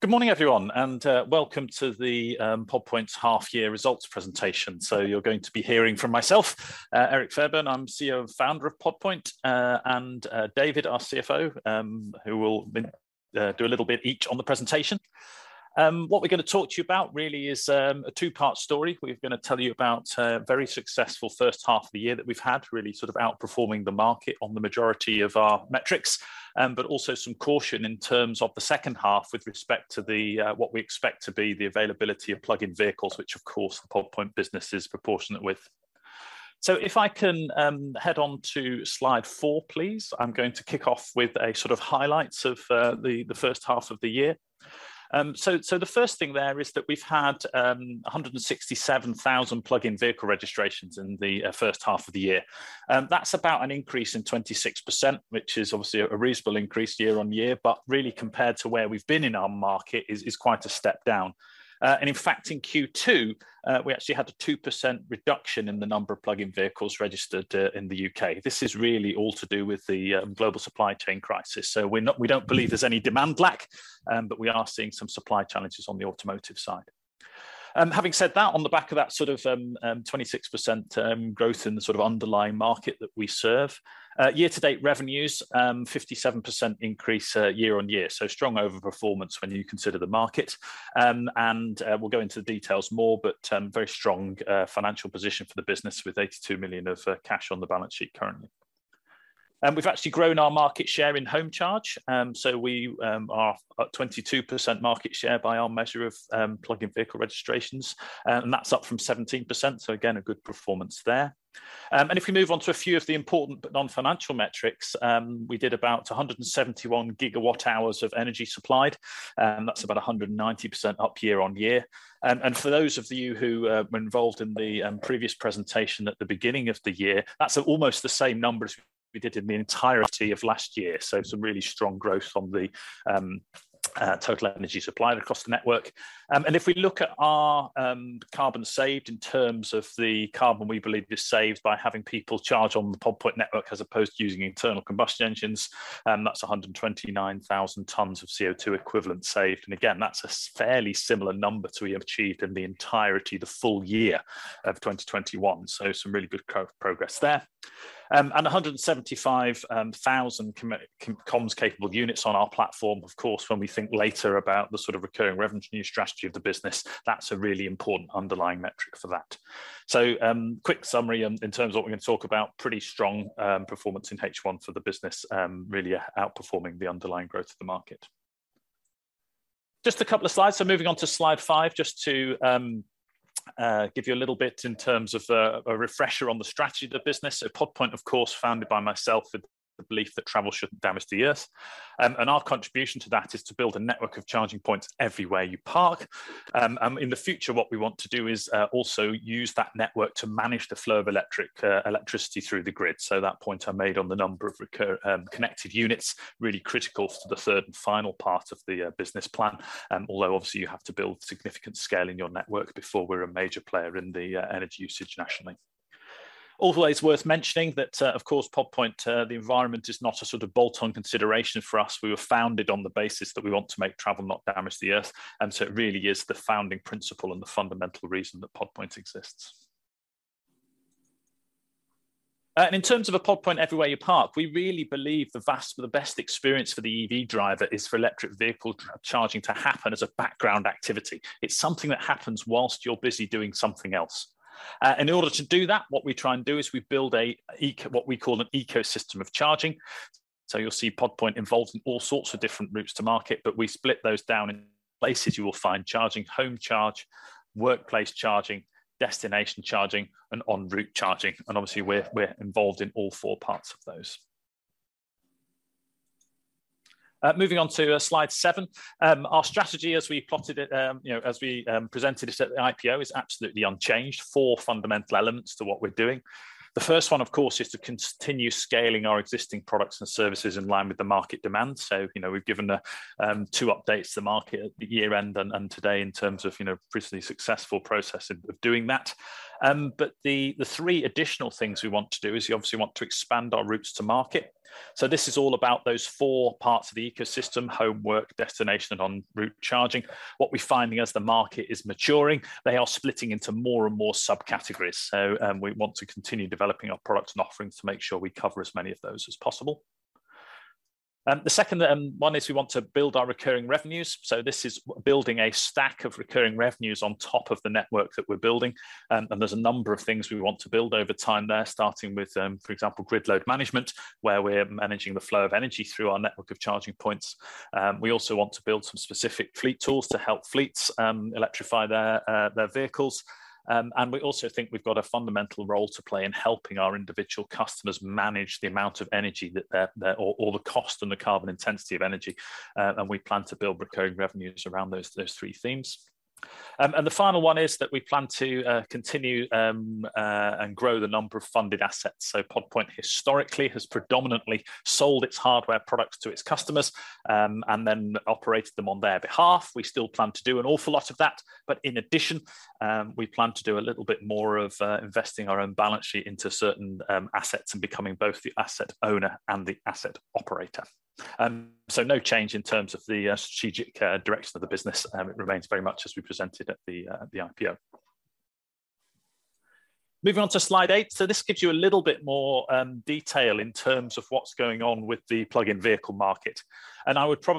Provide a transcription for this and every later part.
Good morning, everyone, and welcome to the Pod Point's half year results presentation. You're going to be hearing from myself, Erik Fairbairn, I'm CEO and Founder of Pod Point, and David, our CFO, who will do a little bit each on the presentation. What we're gonna talk to you about really is a two-part story. We're gonna tell you about a very successful first half of the year that we've had, really sort of outperforming the market on the majority of our metrics, but also some caution in terms of the second half with respect to what we expect to be the availability of plug-in vehicles, which of course the Pod Point business is proportionate with. If I can head on to slide four, please. I'm going to kick off with a sort of highlights of the first half of the year. The first thing there is that we've had 167,000 plug-in vehicle registrations in the first half of the year. That's about an increase in 26%, which is obviously a reasonable increase year-on-year, but really compared to where we've been in our market is quite a step down. In fact, in Q2, we actually had a 2% reduction in the number of plug-in vehicles registered in the U.K.. This is really all to do with the global supply chain crisis. We don't believe there's any demand lack, but we are seeing some supply challenges on the automotive side. Having said that, on the back of that sort of 26% growth in the sort of underlying market that we serve, year to date revenues 57% increase year-on-year. Strong overperformance when you consider the market. We'll go into the details more, but very strong financial position for the business with 82 million of cash on the balance sheet currently. We've actually grown our market share in home charge. We are at 22% market share by our measure of plug-in vehicle registrations, and that's up from 17%, again, a good performance there. If you move on to a few of the important but non-financial metrics, we did about 171 GWh of energy supplied, that's about 190% up year-on-year. For those of you who were involved in the previous presentation at the beginning of the year, that's almost the same numbers we did in the entirety of last year. Some really strong growth on the total energy supplied across the network. If we look at our carbon saved in terms of the carbon we believe is saved by having people charge on the Pod Point network as opposed to using internal combustion engines, that's 129,000 tons of CO2 equivalent saved. Again, that's a fairly similar number to what we have achieved in the entirety, the full year of 2021. Some really good progress there. A 175 thousand comms capable units on our platform. Of course, when we think later about the sort of recurring revenue new strategy of the business, that's a really important underlying metric for that. Quick summary in terms of what we're gonna talk about, pretty strong performance in H1 for the business, really outperforming the underlying growth of the market. Just a couple of slides. Moving on to slide five, just to give you a little bit in terms of a refresher on the strategy of the business. Pod Point, of course, founded by myself in the belief that travel shouldn't damage the earth. Our contribution to that is to build a network of charging points everywhere you park. In the future, what we want to do is also use that network to manage the flow of electricity through the grid. That point I made on the number of connected units really critical to the third and final part of the business plan, although obviously you have to build significant scale in your network before we're a major player in the energy usage nationally. Although it's worth mentioning that, of course, Pod Point, the environment is not a sort of bolt-on consideration for us. We were founded on the basis that we want to make travel not damage the earth. It really is the founding principle and the fundamental reason that Pod Point exists. In terms of a Pod Point everywhere you park, we really believe the best experience for the EV driver is for electric vehicle charging to happen as a background activity. It's something that happens whilst you're busy doing something else. In order to do that, what we try and do is we build what we call an ecosystem of charging. So you'll see Pod Point involved in all sorts of different routes to market, but we split those down in places you will find charging, home charge, workplace charging, destination charging, and en route charging. Obviously, we're involved in all four parts of those. Moving on to slide seven. Our strategy as we plotted it, you know, as we presented it at the IPO is absolutely unchanged. Four fundamental elements to what we're doing. The first one, of course, is to continue scaling our existing products and services in line with the market demand. You know, we've given two updates to the market at the year end and today in terms of you know, previously successful process of doing that. The three additional things we want to do is we obviously want to expand our routes to market. This is all about those four parts of the ecosystem, home, work, destination, and en route charging. What we're finding as the market is maturing, they are splitting into more and more subcategories. We want to continue developing our products and offerings to make sure we cover as many of those as possible. The second one is we want to build our recurring revenues. This is building a stack of recurring revenues on top of the network that we're building. There's a number of things we want to build over time there, starting with, for example, grid load management, where we're managing the flow of energy through our network of charging points. We also want to build some specific fleet tools to help fleets electrify their vehicles. We also think we've got a fundamental role to play in helping our individual customers manage the cost and the carbon intensity of energy. We plan to build recurring revenues around those three themes. The final one is that we plan to continue and grow the number of funded assets. Pod Point historically has predominantly sold its hardware products to its customers, and then operated them on their behalf. We still plan to do an awful lot of that, but in addition, we plan to do a little bit more of investing our own balance sheet into certain assets and becoming both the asset owner and the asset operator. No change in terms of the strategic direction of the business. It remains very much as we presented at the IPO. Moving on to slide eight. This gives you a little bit more detail in terms of what's going on with the plug-in vehicle market.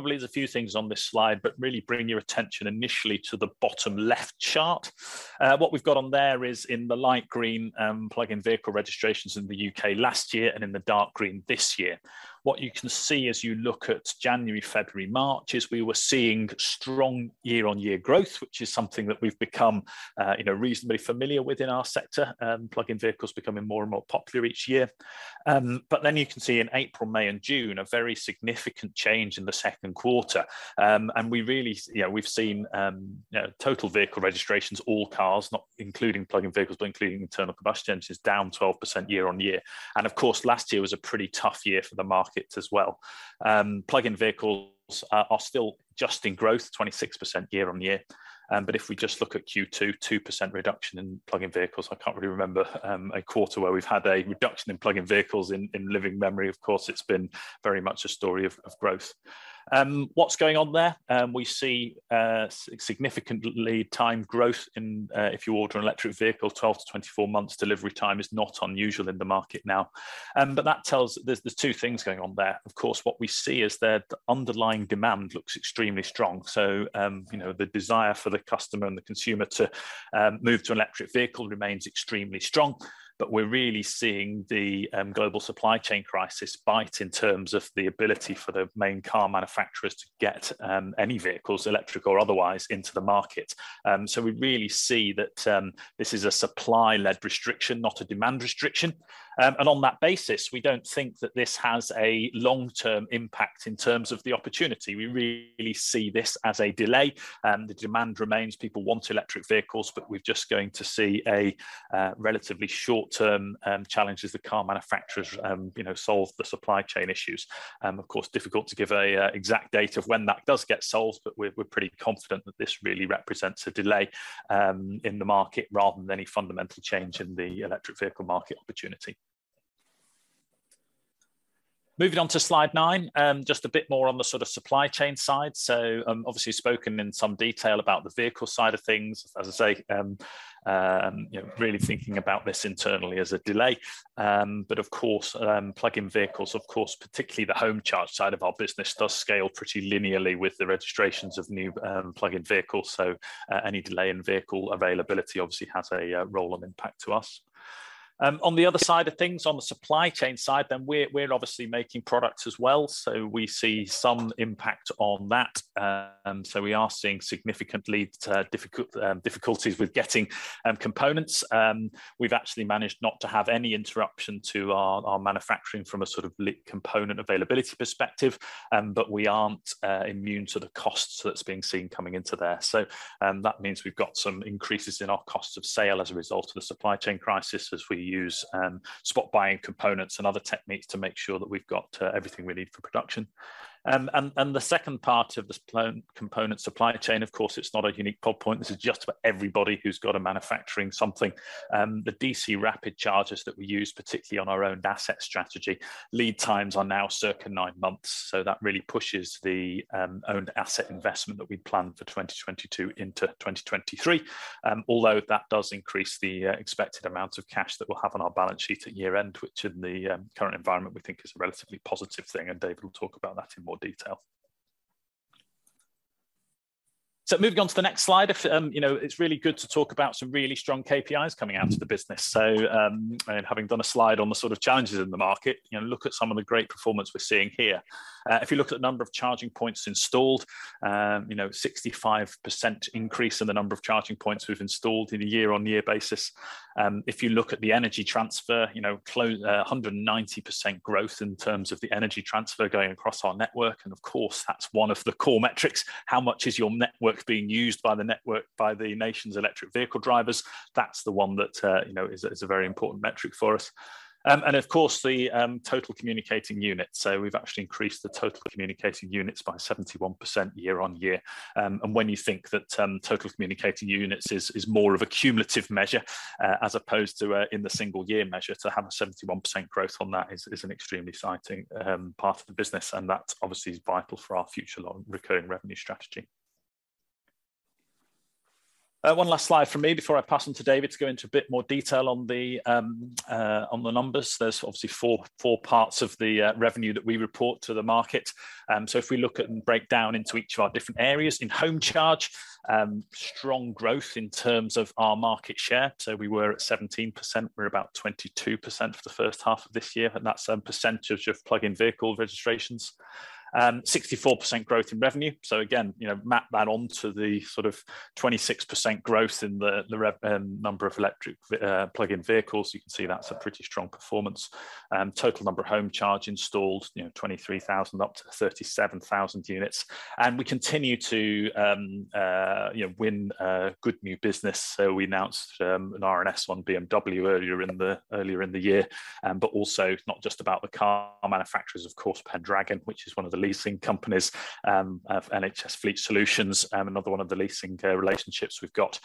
There's a few things on this slide, but really bring your attention initially to the bottom left chart. What we've got on there is in the light green, plug-in vehicle registrations in the U.K. last year and in the dark green this year. What you can see as you look at January, February, March, is we were seeing strong year-on-year growth, which is something that we've become, you know, reasonably familiar with in our sector, plug-in vehicles becoming more and more popular each year. You can see in April, May and June, a very significant change in the second quarter. You know, we've seen, you know, total vehicle registrations, all cars, not including plug-in vehicles, but including internal combustion, which is down 12% year-on-year. Of course, last year was a pretty tough year for the markets as well. Plug-in vehicles are still just in growth, 26% year-on-year. If we just look at Q2, 2% reduction in plug-in vehicles. I can't really remember a quarter where we've had a reduction in plug-in vehicles in living memory. Of course, it's been very much a story of growth. What's going on there? We see significant time growth if you order an electric vehicle, 12-24 months delivery time is not unusual in the market now. That tells. There's two things going on there. Of course, what we see is the underlying demand looks extremely strong. You know, the desire for the customer and the consumer to move to an electric vehicle remains extremely strong. We're really seeing the global supply chain crisis bite in terms of the ability for the main car manufacturers to get any vehicles, electric or otherwise, into the market. We really see that this is a supply-led restriction, not a demand restriction. On that basis, we don't think that this has a long-term impact in terms of the opportunity. We really see this as a delay. The demand remains. People want electric vehicles, but we're just going to see a relatively short-term challenge as the car manufacturers you know solve the supply chain issues. Of course, it's difficult to give an exact date of when that does get solved, but we're pretty confident that this really represents a delay in the market rather than any fundamental change in the electric vehicle market opportunity. Moving on to slide nine, just a bit more on the sort of supply chain side. We've spoken in some detail about the vehicle side of things. As I say, you know, really thinking about this internally as a delay. Of course, plug-in vehicles, of course, particularly the home charge side of our business, does scale pretty linearly with the registrations of new plug-in vehicles. Any delay in vehicle availability obviously has a knock-on impact to us. On the other side of things, on the supply chain side, we're obviously making products as well, so we see some impact on that. We are seeing significant difficulties with getting components. We've actually managed not to have any interruption to our manufacturing from a sort of component availability perspective, but we aren't immune to the costs that's being seen coming into there. That means we've got some increases in our cost of sale as a result of the supply chain crisis as we use spot buying components and other techniques to make sure that we've got everything we need for production. The second part of the component supply chain, of course, it's not unique to Pod Point. This is just for everybody who's got a manufacturing something. The DC rapid chargers that we use, particularly on our own asset strategy, lead times are now circa nine months. That really pushes the owned asset investment that we'd planned for 2022 into 2023. Although that does increase the expected amount of cash that we'll have on our balance sheet at year-end, which in the current environment we think is a relatively positive thing, and Dave will talk about that in more detail. Moving on to the next slide. If you know, it's really good to talk about some really strong KPIs coming out of the business. Having done a slide on the sort of challenges in the market, you know, look at some of the great performance we're seeing here. If you look at the number of charging points installed, you know, 65% increase in the number of charging points we've installed in a year-on-year basis. If you look at the energy transfer, you know, 190% growth in terms of the energy transfer going across our network, and of course, that's one of the core metrics. How much is your network being used by the network, by the nation's electric vehicle drivers? That's the one that, you know, is a very important metric for us. Of course, the total communicating units. We've actually increased the total communicating units by 71% year-on-year. When you think that total communicating units is more of a cumulative measure, as opposed to in the single year measure, to have a 71% growth on that is an extremely exciting part of the business, and that obviously is vital for our future recurring revenue strategy. One last slide from me before I pass on to David to go into a bit more detail on the numbers. There's obviously four parts of the revenue that we report to the market. If we look at and break down into each of our different areas. In home charge, strong growth in terms of our market share. We were at 17%. We're about 22% for the first half of this year, and that's a percentage of plug-in vehicle registrations. 64% growth in revenue. Again, you know, map that onto the sort of 26% growth in the number of electric plug-in vehicles. You can see that's a pretty strong performance. Total number of home charge installed, you know, 23,000 up to 37,000 units. We continue to, you know, win good new business. We announced an RNS on BMW earlier in the year. But also not just about the car manufacturers, of course, Pendragon, which is one of the leasing companies, and NHS Fleet Solutions, another one of the leasing relationships we've got.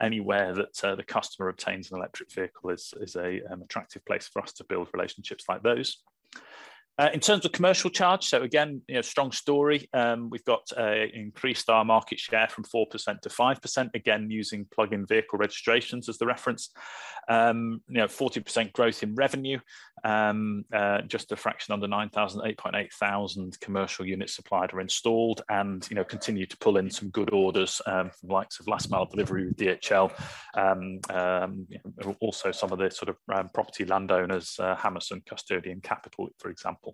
Anywhere that the customer obtains an electric vehicle is an attractive place for us to build relationships like those. In terms of commercial charging, again, you know, strong story. We've increased our market share from 4% to 5%, again, using plug-in vehicle registrations as the reference. You know, 40% growth in revenue, just a fraction under 9,000. 8,800 commercial units supplied or installed and, you know, continued to pull in some good orders from the likes of last mile delivery with DHL. You know, also some of the sort of property landowners, Hammerson, Custodian Capital, for example.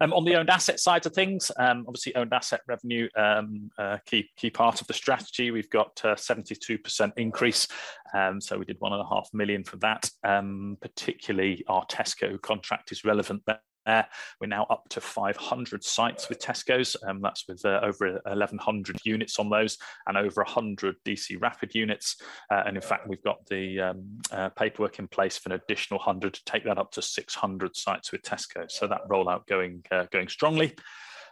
On the owned asset side of things, obviously, owned asset revenue a key part of the strategy. We've got a 72% increase, so we did 1.5 million for that. Particularly our Tesco contract is relevant there. We're now up to 500 sites with Tesco, that's with over 1,100 units on those, and over 100 DC rapid units. And in fact, we've got the paperwork in place for an additional 100 to take that up to 600 sites with Tesco. That rollout going strongly.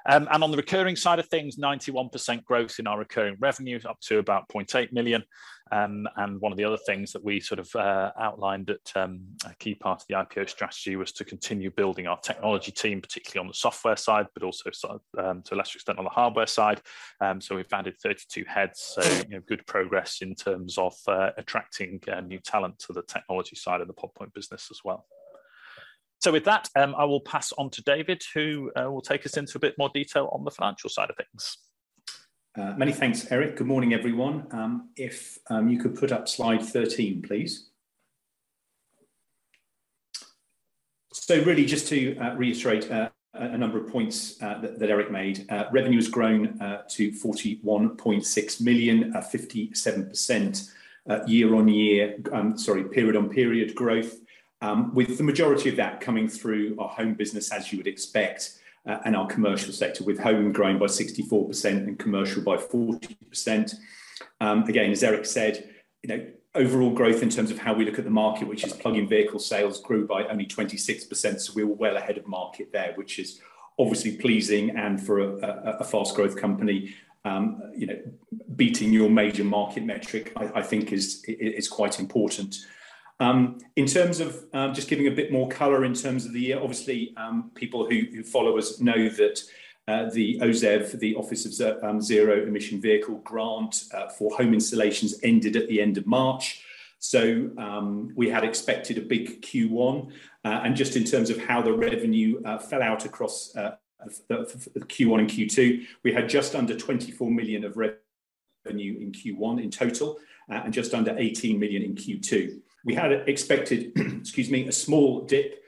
On the recurring side of things, 91% growth in our recurring revenues, up to about 0.8 million. One of the other things that we sort of outlined at a key part of the IPO strategy was to continue building our technology team, particularly on the software side, but also to a lesser extent on the hardware side. We've added 32 heads, you know, good progress in terms of attracting new talent to the technology side of the Pod Point business as well. With that, I will pass on to David, who will take us into a bit more detail on the financial side of things. Many thanks, Erik. Good morning, everyone. If you could put up slide 13, please. Really just to reiterate a number of points that Erik made. Revenue has grown to 41.6 million, a 57% period-on-period growth, with the majority of that coming through our home business, as you would expect, and our commercial sector, with home growing by 64% and commercial by 40%. Again, as Erik said, you know, overall growth in terms of how we look at the market, which is plug-in vehicle sales, grew by only 26%, so we're well ahead of market there, which is obviously pleasing. For a fast growth company, you know, beating your major market metric, I think is quite important. In terms of just giving a bit more color in terms of the year, obviously, people who follow us know that the OZEV, the Office for Zero Emission Vehicles grant for home installations ended at the end of March. We had expected a big Q1. Just in terms of how the revenue fell out across Q1 and Q2, we had just under 24 million of revenue in Q1 in total, and just under 18 million in Q2. We had expected, excuse me, a small dip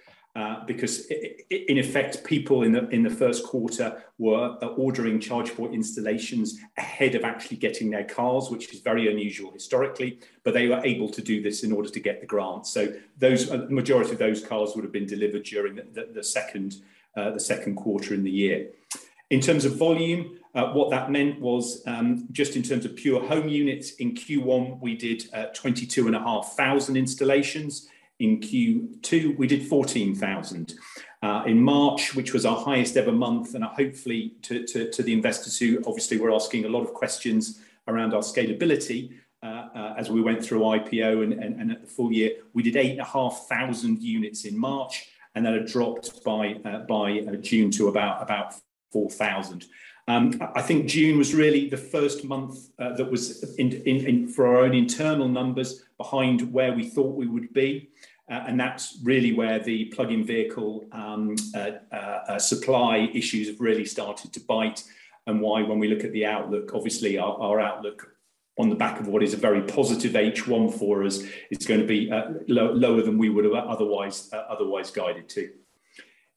because in effect, people in the first quarter were ordering charge point installations ahead of actually getting their cars, which is very unusual historically, but they were able to do this in order to get the grant. Those majority of those cars would have been delivered during the second quarter in the year. In terms of volume, what that meant was just in terms of pure home units, in Q1, we did 22,500 installations. In Q2, we did 14,000. In March, which was our highest ever month, and hopefully to the investors who obviously were asking a lot of questions around our scalability, as we went through IPO and at the full year, we did 8,500 units in March, and that had dropped by June to about 4,000. I think June was really the first month that was for our own internal numbers, behind where we thought we would be. That's really where the plug-in vehicle supply issues have really started to bite and why, when we look at the outlook, obviously our outlook on the back of what is a very positive H1 for us, it's going to be lower than we would have otherwise guided to.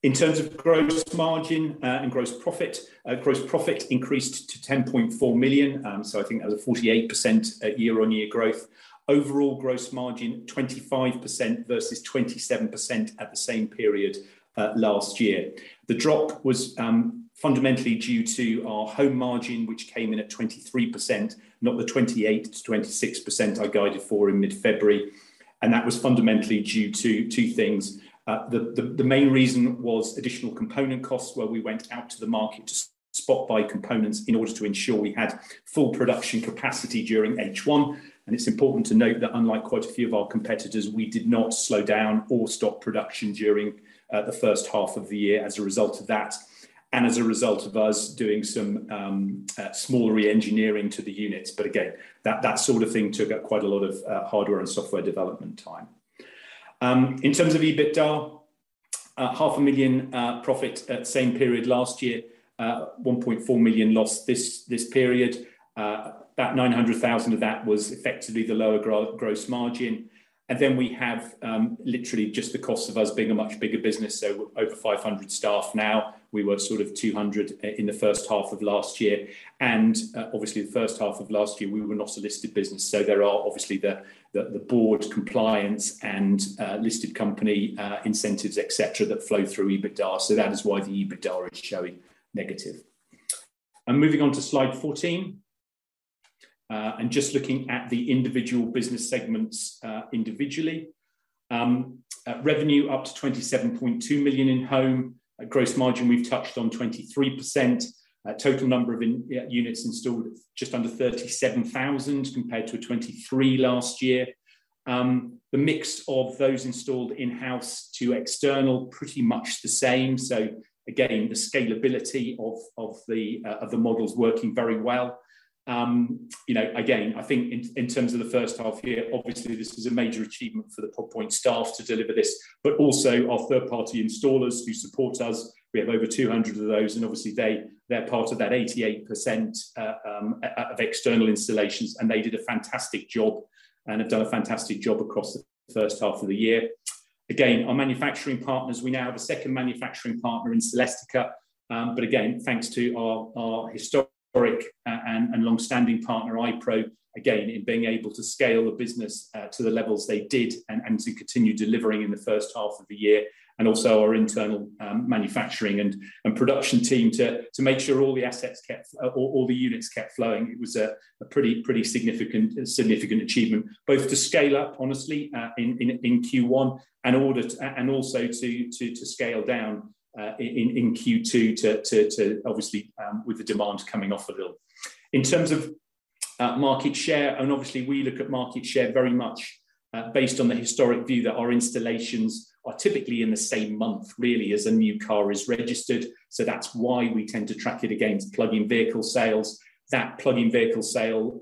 In terms of gross margin and gross profit, gross profit increased to 10.4 million, so I think that was a 48% year-on-year growth. Overall gross margin 25% versus 27% at the same period last year. The drop was fundamentally due to our home margin, which came in at 23%, not the 28%-26% I guided for in mid-February. That was fundamentally due to two things. The main reason was additional component costs, where we went out to the market to spot buy components in order to ensure we had full production capacity during H1. It's important to note that unlike quite a few of our competitors, we did not slow down or stop production during the first half of the year as a result of that, and as a result of us doing some smaller re-engineering to the units. Again, that sort of thing took up quite a lot of hardware and software development time. In terms of EBITDA, half a million GBP profit at same period last year, 1.4 million GBP loss this period. About 900,000 of that was effectively the lower gross margin. We have literally just the cost of us being a much bigger business, so over 500 staff now. We were sort of 200 in the first half of last year. Obviously the first half of last year, we were not a listed business, so there are obviously the board compliance and listed company incentives, et cetera, that flow through EBITDA. That is why the EBITDA is showing negative. Moving on to slide 14. Just looking at the individual business segments individually. Revenue up to 27.2 million in Home. Gross margin, we've touched on 23%. Total number of units installed, just under 37,000 compared to 23 last year. The mix of those installed in-house to external pretty much the same. Again, the scalability of the models working very well. You know, again, I think in terms of the first half year, obviously this is a major achievement for the Pod Point staff to deliver this, but also our third-party installers who support us. We have over 200 of those, and obviously they're part of that 88% of external installations, and they did a fantastic job, and have done a fantastic job across the first half of the year. Again, our manufacturing partners, we now have a second manufacturing partner in Celestica. again, thanks to our historic and longstanding partner, IPRO, again, in being able to scale the business to the levels they did and to continue delivering in the first half of the year, and also our internal manufacturing and production team to make sure all the units kept flowing. It was a pretty significant achievement, both to scale up, honestly, in Q1 and also to scale down in Q2 to, obviously, with the demand coming off a little. In terms of market share, obviously we look at market share very much based on the historic view that our installations are typically in the same month really as a new car is registered. That's why we tend to track it against plug-in vehicle sales. That plug-in vehicle sales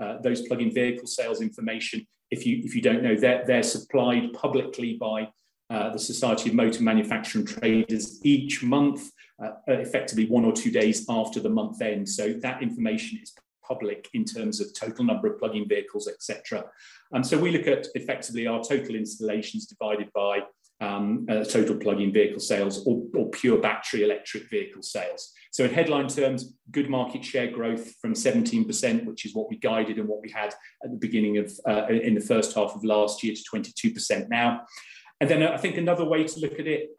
information, if you don't know, they're supplied publicly by the Society of Motor Manufacturers and Traders each month, effectively one or two days after the month end. That information is public in terms of total number of plug-in vehicles, et cetera. We look at effectively our total installations divided by total plug-in vehicle sales or pure battery electric vehicle sales. In headline terms, good market share growth from 17%, which is what we guided and what we had at the beginning of in the first half of last year to 22% now. Then I think another way to look at it,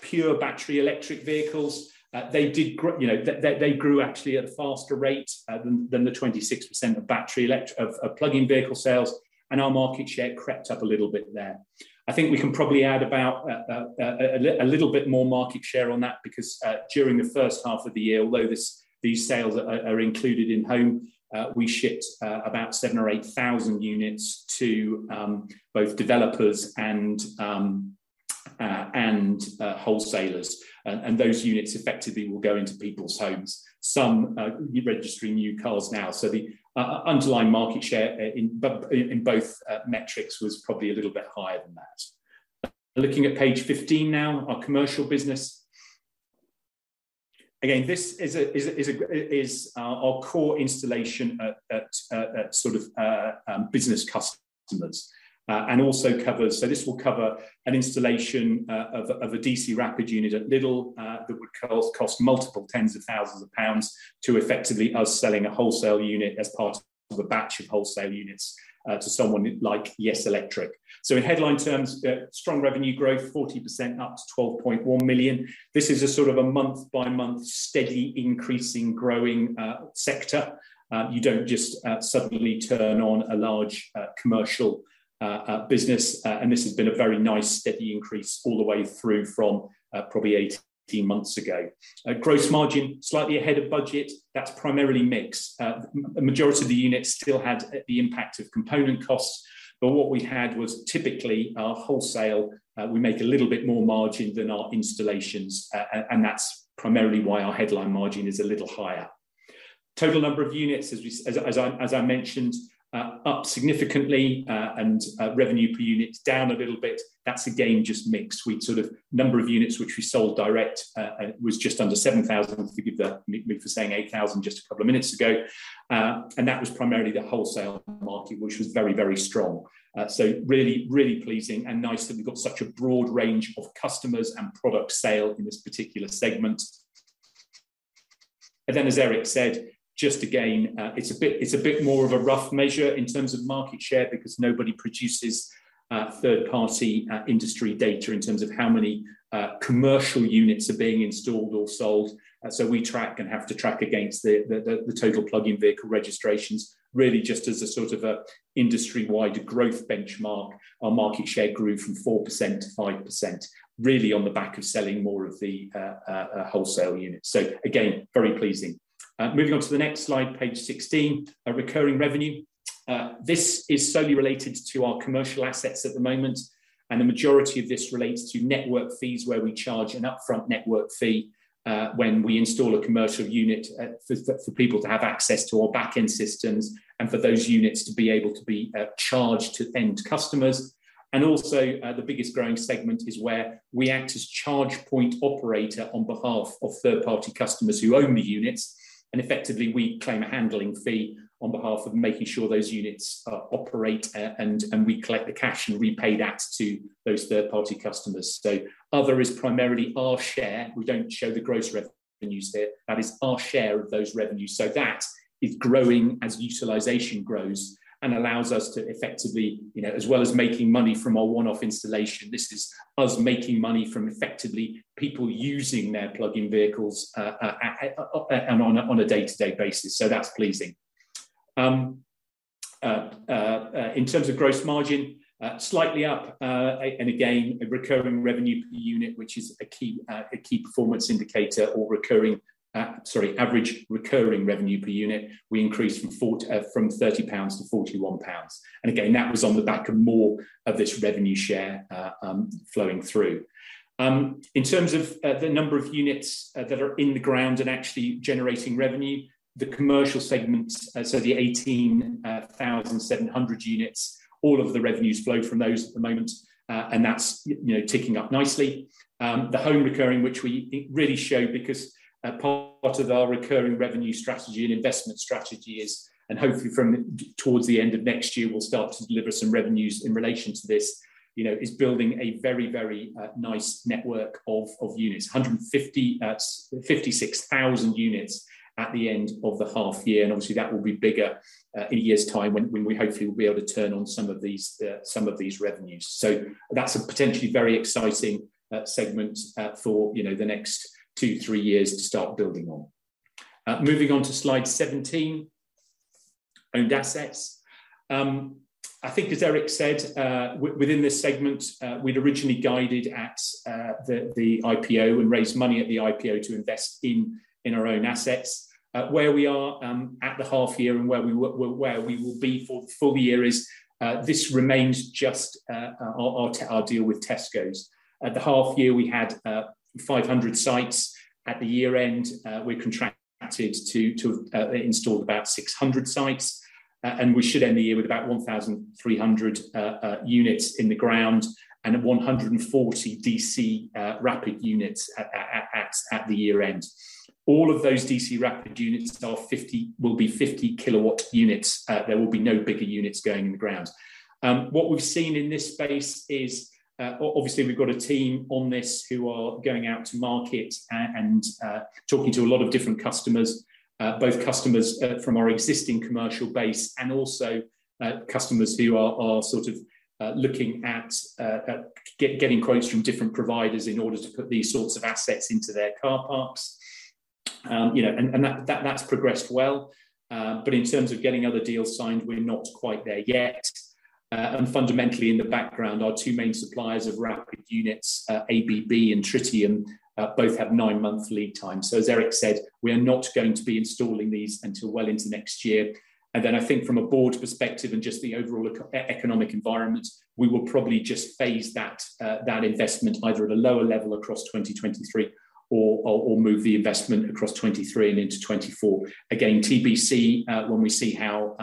pure battery electric vehicles, they did grow, you know, they grew actually at a faster rate than the 26% of plug-in vehicle sales, and our market share crept up a little bit there. I think we can probably add about a little bit more market share on that because during the first half of the year, although these sales are included in Home, we shipped about 7,000 or 8,000 units to both developers and wholesalers. Those units effectively will go into people's homes, some registering new cars now. The underlying market share in both metrics was probably a little bit higher than that. Looking at page 15 now, our commercial business. Again, this is a growing our core installation at sort of business customers and also covers. This will cover an installation of a DC rapid unit at Lidl that would cost multiple tens of thousands GBP to effectively us selling a wholesale unit as part of a batch of wholesale units to someone like YESSS Electrical. In headline terms, strong revenue growth, 40% up to 12.1 million. This is a sort of month-by-month steady increasing growing sector. You don't just suddenly turn on a large commercial business. This has been a very nice steady increase all the way through from probably 18 months ago. Gross margin, slightly ahead of budget. That's primarily mix. Majority of the units still had the impact of component costs. What we had was typically our wholesale, we make a little bit more margin than our installations. That's primarily why our headline margin is a little higher. Total number of units, as I mentioned, up significantly, and revenue per unit's down a little bit. That's again just mix. Number of units which we sold direct was just under 7,000. Forgive me for saying 8,000 just a couple of minutes ago. That was primarily the wholesale market, which was very, very strong. Really, really pleasing and nice that we've got such a broad range of customers and product sale in this particular segment. As Erik said, just again, it's a bit more of a rough measure in terms of market share because nobody produces third-party industry data in terms of how many commercial units are being installed or sold. We track and have to track against the total plug-in vehicle registrations, really just as a sort of a industry-wide growth benchmark. Our market share grew from 4% to 5%, really on the back of selling more of the wholesale units. Again, very pleasing. Moving on to the next slide, page 16, recurring revenue. This is solely related to our commercial assets at the moment, and the majority of this relates to network fees, where we charge an upfront network fee when we install a commercial unit for people to have access to our back-end systems and for those units to be able to be charged to end customers. Also, the biggest growing segment is where we act as charge point operator on behalf of third-party customers who own the units, and effectively we claim a handling fee on behalf of making sure those units operate, and we collect the cash and repay that to those third-party customers. Other is primarily our share. We don't show the gross revenues there. That is our share of those revenues. That is growing as utilization grows and allows us to effectively, you know, as well as making money from our one-off installation, this is us making money from effectively people using their plug-in vehicles on a day-to-day basis. That's pleasing. In terms of gross margin, slightly up, and again, average recurring revenue per unit, which is a key performance indicator, we increased from 30 pounds to 41 pounds. That was on the back of more of this revenue share flowing through. In terms of the number of units that are in the ground and actually generating revenue, the commercial segments, so the 18,700 units, all of the revenues flow from those at the moment. And that's you know, ticking up nicely. The home recurring which we, it really show because a part of our recurring revenue strategy and investment strategy is, and hopefully from towards the end of next year, we'll start to deliver some revenues in relation to this, you know, is building a very nice network of units. 156,000 units at the end of the half year, and obviously that will be bigger in a year's time when we hopefully will be able to turn on some of these some of these revenues. That's a potentially very exciting segment for, you know, the next two, three years to start building on. Moving on to slide 17, owned assets. I think as Erik said, within this segment, we'd originally guided at the IPO and raised money at the IPO to invest in our own assets. Where we are at the half year and where we will be for the year is this remains just our deal with Tesco. At the half year, we had 500 sites. At the year end, we're contracted to install about 600 sites. We should end the year with about 1,300 units in the ground and at 140 DC rapid units at the year end. All of those DC rapid units will be 50 kW units. There will be no bigger units going in the ground. What we've seen in this space is, obviously we've got a team on this who are going out to market and talking to a lot of different customers, both customers from our existing commercial base and also customers who are sort of looking at getting quotes from different providers in order to put these sorts of assets into their car parks. You know, and that has progressed well. In terms of getting other deals signed, we're not quite there yet. Fundamentally in the background, our two main suppliers of rapid units, ABB and Tritium, both have nine-month lead time. As Erik said, we are not going to be installing these until well into next year. I think from a board perspective and just the overall economic environment, we will probably just phase that investment either at a lower level across 2023 or move the investment across 2023 and into 2024. Again, TBC, when we see how,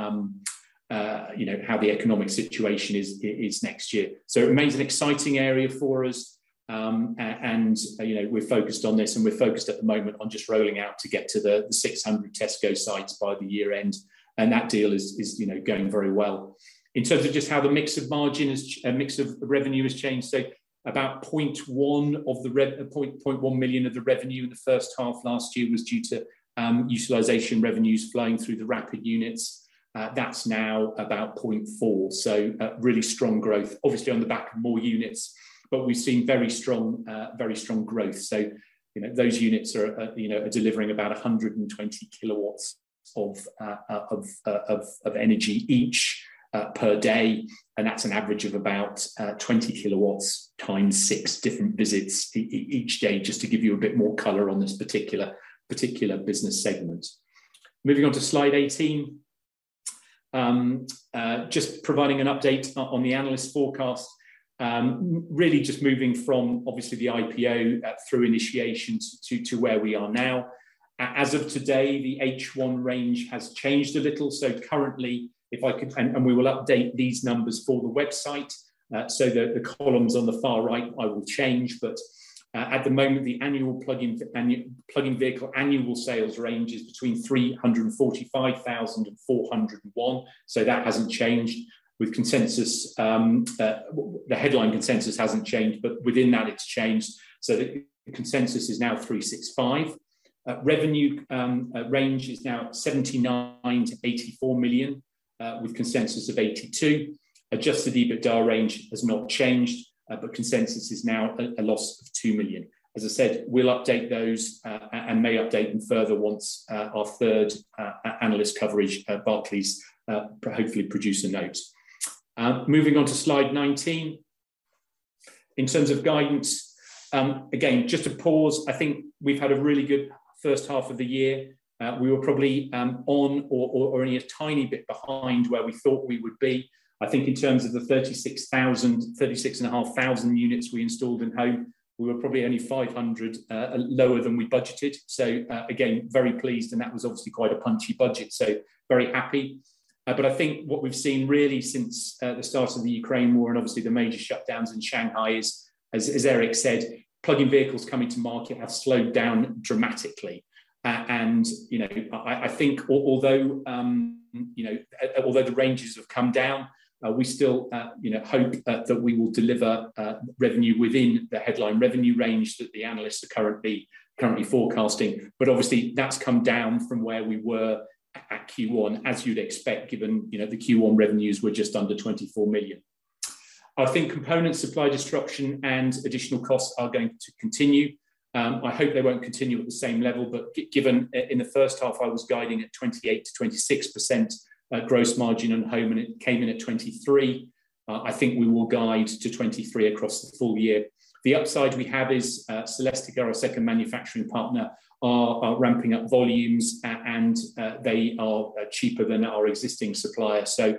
you know, how the economic situation is next year. It remains an exciting area for us. You know, we're focused on this, and we're focused at the moment on just rolling out to get to the 600 Tesco sites by the year end. That deal is, you know, going very well. In terms of just how the mix of revenue has changed, so about 0.1 million of the revenue in the first half last year was due to utilization revenues flowing through the rapid units. That's now about 0.4 million, so really strong growth, obviously on the back of more units. We've seen very strong growth. You know, those units are, you know, delivering about 120 kWs of energy each per day, and that's an average of about 20 kWs times six different visits each day, just to give you a bit more color on this particular business segment. Moving on to slide 18. Just providing an update on the analyst forecast. Really just moving from obviously the IPO through initiation to where we are now. As of today, the H1 range has changed a little. Currently, we will update these numbers for the website, so the columns on the far right I will change. At the moment, the annual plug-in vehicle sales range is between 345,000 and 401. That hasn't changed. With consensus, the headline consensus hasn't changed, but within that it's changed. The consensus is now 365. Revenue range is now 79-84 million, with consensus of 82. Adjusted EBITDA range has not changed, but consensus is now a loss of 2 million. As I said, we'll update those and may update them further once our third analyst coverage, Barclays, hopefully produce a note. Moving on to slide 19. In terms of guidance, again, just to pause, I think we've had a really good first half of the year. We were probably only a tiny bit behind where we thought we would be. I think in terms of the 36,000, 36,500 units we installed in home, we were probably only 500 lower than we budgeted. Again, very pleased, and that was obviously quite a punchy budget, so very happy. I think what we've seen really since the start of the Ukraine war and obviously the major shutdowns in Shanghai is, as Erik said, plug-in vehicles coming to market have slowed down dramatically. You know, I think although the ranges have come down, we still, you know, hope that we will deliver revenue within the headline revenue range that the analysts are currently forecasting. Obviously that's come down from where we were at Q1, as you'd expect, given, you know, the Q1 revenues were just under 24 million. I think component supply disruption and additional costs are going to continue. I hope they won't continue at the same level, but given in the first half I was guiding at 28%-26% gross margin on home, and it came in at 23%. I think we will guide to 23% across the full year. The upside we have is Celestica, our second manufacturing partner, are ramping up volumes and they are cheaper than our existing supplier. So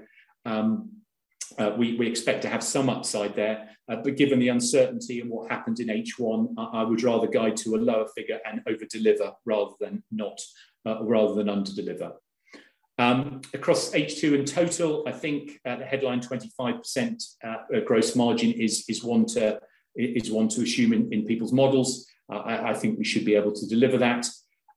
we expect to have some upside there. But given the uncertainty in what happened in H1, I would rather guide to a lower figure and over-deliver rather than under-deliver. Across H2 in total, I think, the headline 25% gross margin is one to assume in people's models. I think we should be able to deliver that.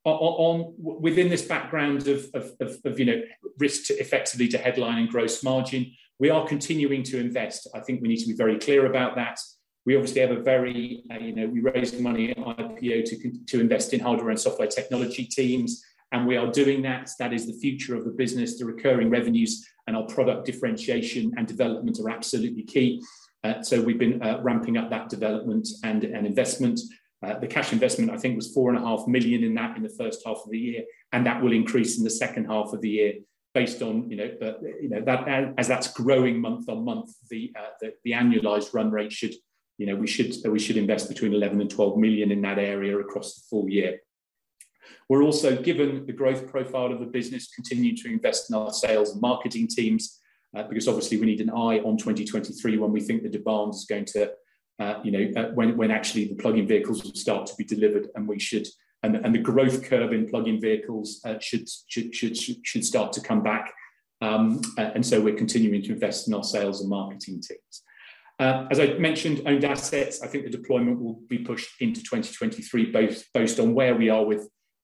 Within this background of you know risk to effectively to headline and gross margin, we are continuing to invest. I think we need to be very clear about that. We obviously have a very, you know, we raised money at IPO to invest in hardware and software technology teams, and we are doing that. That is the future of the business, the recurring revenues and our product differentiation and development are absolutely key. So we've been ramping up that development and investment. The cash investment I think was 4.5 million in that in the first half of the year, and that will increase in the second half of the year based on, you know, you know, that. As that's growing month on month, the annualized run rate should, you know, we should invest between 11 million and 12 million in that area across the full year. We're also, given the growth profile of the business, continuing to invest in our sales and marketing teams, because obviously we need an eye on 2023 when we think the demand's going to, you know, when actually the plug-in vehicles will start to be delivered, and the growth curve in plug-in vehicles should start to come back. We're continuing to invest in our sales and marketing teams. As I mentioned, owned assets, I think the deployment will be pushed into 2023, based on where we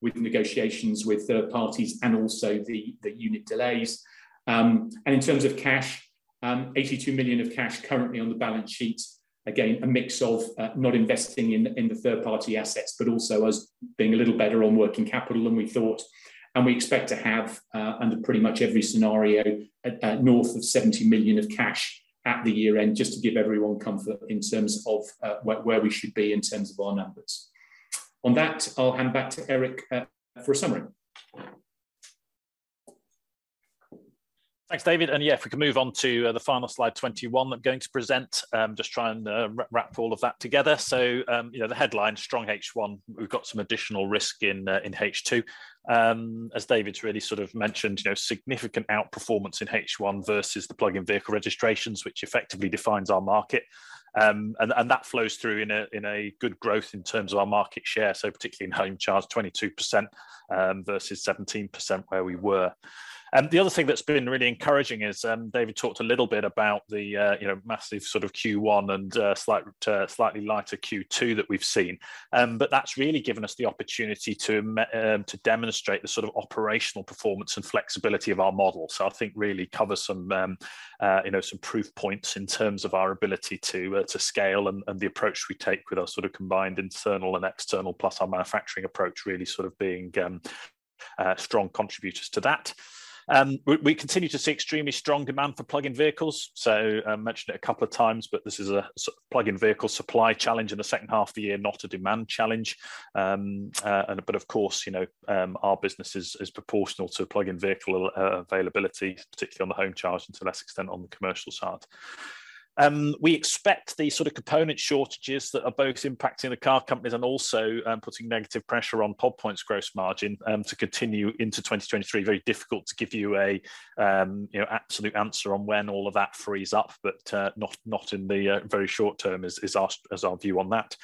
are with negotiations with third parties and also the unit delays. In terms of cash, 82 million of cash currently on the balance sheet. Again, a mix of not investing in the third party assets, but also us being a little better on working capital than we thought. We expect to have under pretty much every scenario north of 70 million of cash at the year end, just to give everyone comfort in terms of where we should be in terms of our numbers. On that, I'll hand back to Erik for a summary. Thanks, David. Yeah, if we can move on to the final slide 21 that I'm going to present, just try and wrap all of that together. You know, the headline, strong H1. We've got some additional risk in H2. As David's really sort of mentioned, you know, significant outperformance in H1 versus the plug-in vehicle registrations, which effectively defines our market. And that flows through in a good growth in terms of our market share, so particularly in home charge, 22%, versus 17% where we were. The other thing that's been really encouraging is David talked a little bit about the, you know, massive sort of Q1 and slightly lighter Q2 that we've seen. That's really given us the opportunity to demonstrate the sort of operational performance and flexibility of our model. I think really cover some, you know, some proof points in terms of our ability to scale and the approach we take with our sort of combined internal and external, plus our manufacturing approach really sort of being strong contributors to that. We continue to see extremely strong demand for plug-in vehicles. I mentioned it a couple of times, but this is a plug-in vehicle supply challenge in the second half of the year, not a demand challenge. Of course, you know, our business is proportional to plug-in vehicle availability, particularly on the home charge and to less extent on the commercial side. We expect the sort of component shortages that are both impacting the car companies and also putting negative pressure on Pod Point's gross margin to continue into 2023. Very difficult to give you a you know absolute answer on when all of that frees up, but not in the very short term is our view on that.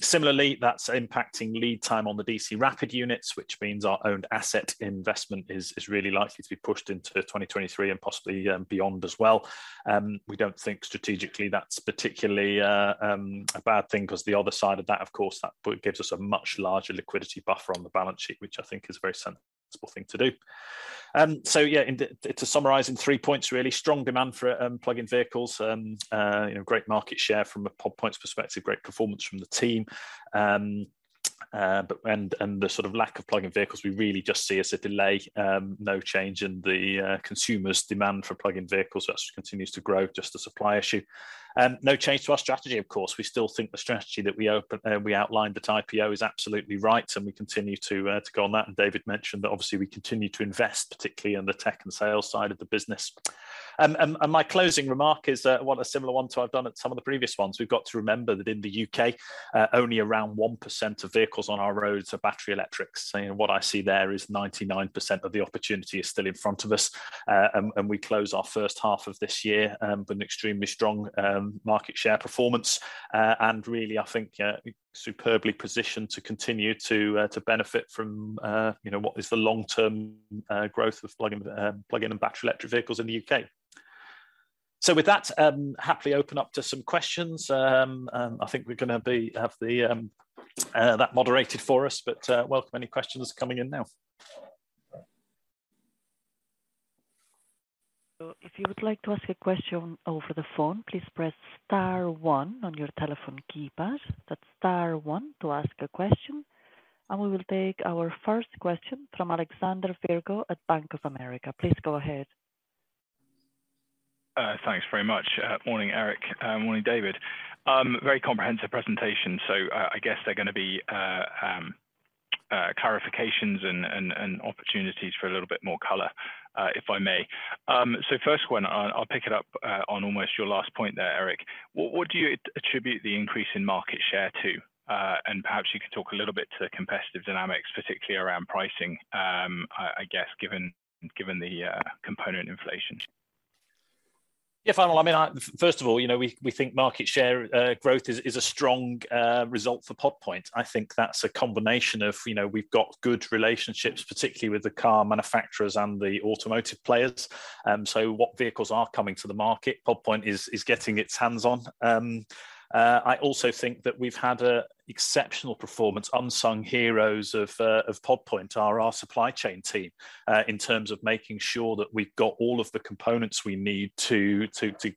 Similarly, that's impacting lead time on the DC rapid units, which means our owned asset investment is really likely to be pushed into 2023 and possibly beyond as well. We don't think strategically that's particularly a bad thing, 'cause the other side of that, of course, that gives us a much larger liquidity buffer on the balance sheet, which I think is a very sensible thing to do. So yeah, in the To summarize in three points really, strong demand for plug-in vehicles. You know, great market share from a Pod Point perspective, great performance from the team. The sort of lack of plug-in vehicles, we really just see as a delay. No change in the consumers' demand for plug-in vehicles. That continues to grow, just a supply issue. No change to our strategy, of course. We still think the strategy that we outlined at IPO is absolutely right, and we continue to go on that. David mentioned that obviously we continue to invest, particularly in the tech and sales side of the business. My closing remark is one, a similar one to I've done at some of the previous ones. We've got to remember that in the U.K., only around 1% of vehicles on our roads are battery electric. What I see there is 99% of the opportunity is still in front of us. We close our first half of this year with an extremely strong market share performance, and really, I think, superbly positioned to continue to benefit from, you know, what is the long-term growth of plug-in and battery electric vehicles in the U.K. With that, happily open up to some questions. I think we're gonna have that moderated for us, but welcome any questions coming in now. If you would like to ask a question over the phone, please press star one on your telephone keypad. That's star one to ask a question. We will take our first question from Alexander Firlit at Bank of America. Please go ahead. Thanks very much. Morning, Erik. Morning, David. Very comprehensive presentation, so I guess there are gonna be clarifications and opportunities for a little bit more color, if I may. First one, I'll pick it up on almost your last point there, Erik. What do you attribute the increase in market share to? And perhaps you could talk a little bit to the competitive dynamics, particularly around pricing, I guess given the component inflation. First of all, you know, we think market share growth is a strong result for Pod Point. I think that's a combination of, you know, we've got good relationships, particularly with the car manufacturers and the automotive players. What vehicles are coming to the market, Pod Point is getting its hands on. I also think that we've had an exceptional performance. Unsung heroes of Pod Point are our supply chain team in terms of making sure that we've got all of the components we need to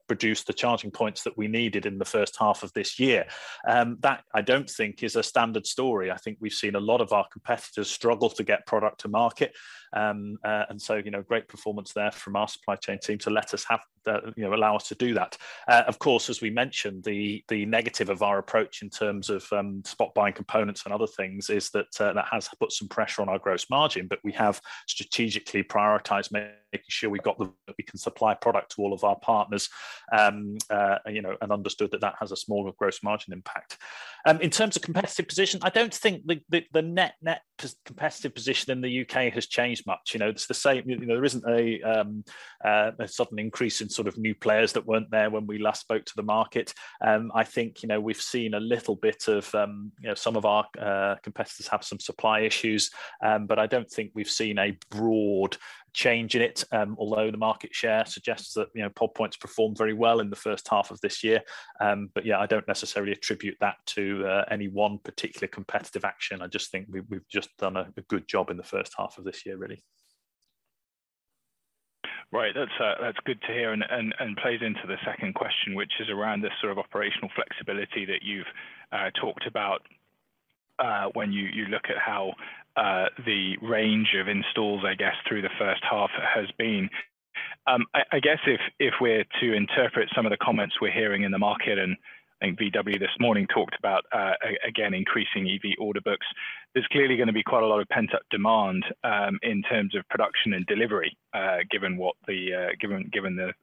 produce the charging points that we needed in the first half of this year. That I don't think is a standard story. I think we've seen a lot of our competitors struggle to get product to market. You know, great performance there from our supply chain team to let us have. You know, allow us to do that. Of course, as we mentioned, the negative of our approach in terms of spot buying components and other things is that that has put some pressure on our gross margin. We have strategically prioritized making sure we can supply product to all of our partners, you know, and understood that that has a smaller gross margin impact. In terms of competitive position, I don't think the competitive position in the U.K. has changed much. You know, it's the same. You know, there isn't a sudden increase in sort of new players that weren't there when we last spoke to the market. I think, you know, we've seen a little bit of, you know, some of our competitors have some supply issues. I don't think we've seen a broad change in it. Although the market share suggests that, you know, Pod Point's performed very well in the first half of this year. Yeah, I don't necessarily attribute that to any one particular competitive action. I just think we've just done a good job in the first half of this year really. Right. That's good to hear and plays into the second question, which is around this sort of operational flexibility that you've talked about, when you look at how the range of installs, I guess, through the first half has been. I guess if we're to interpret some of the comments we're hearing in the market, and I think VW this morning talked about again increasing EV order books, there's clearly gonna be quite a lot of pent-up demand in terms of production and delivery, given the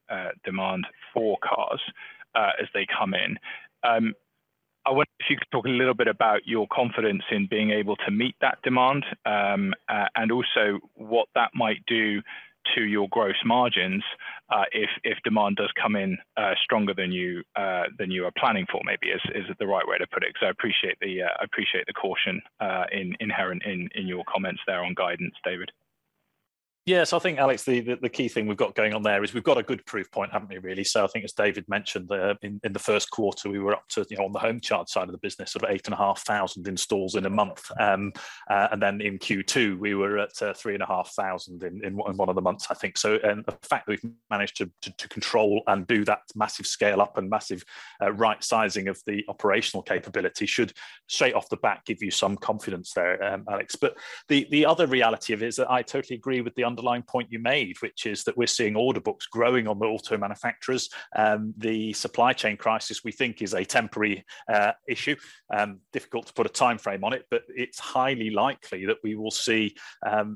demand for cars as they come in. I wonder if you could talk a little bit about your confidence in being able to meet that demand. also what that might do to your gross margins, if demand does come in stronger than you are planning for maybe, is the right way to put it. I appreciate the caution inherent in your comments there on guidance, David. Yeah. I think, Alex, the key thing we've got going on there is we've got a good proof point, haven't we really? I think as David mentioned, in the first quarter, we were up to, you know, on the home charge side of the business, sort of 8,500 installs in a month. And then in Q2 we were at 3,500 in one of the months I think. And the fact that we've managed to control and do that massive scale up and massive right sizing of the operational capability should straight off the bat give you some confidence there, Alex. The other reality of it is that I totally agree with the underlying point you made, which is that we're seeing order books growing on the auto manufacturers. The supply chain crisis, we think, is a temporary issue. Difficult to put a timeframe on it, but it's highly likely that we will see,